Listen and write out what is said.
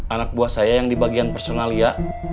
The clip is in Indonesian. anak buah saya yang di bagian personal ya